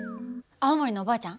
青森のおばあちゃん？